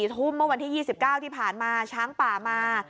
ทุ่มเมื่อวันที่๒๙ที่ผ่านมาช้างป่ามา